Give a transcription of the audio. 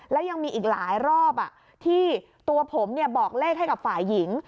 แล้วยังมีอีกหลายรอบที่ตัวผมบอกเลขให้กับฝ่ายหญิง